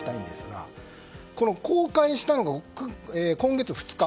公開したのが今月２日。